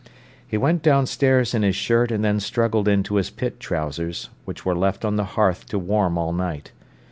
He went downstairs in his shirt and then struggled into his pit trousers, which were left on the hearth to warm all night.